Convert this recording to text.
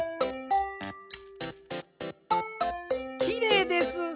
きれいです。